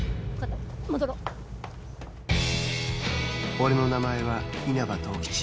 俺の名前は稲葉十吉